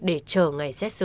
để chờ ngày xét xử